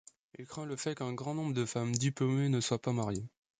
Il craint le fait qu'un grand nombre de femmes diplômées ne soient pas mariées.